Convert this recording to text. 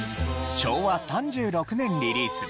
昭和３６年リリース。